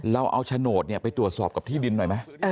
เราเอาโฉนดไปตรวจสอบกับที่ดินหน่อยไหม